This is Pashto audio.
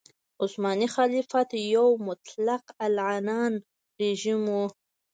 عثماني خلافت یو مطلق العنان رژیم و.